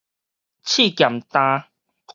試鹹淡